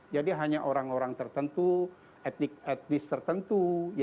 jadi hanya orang orang tertentu etnis tertentu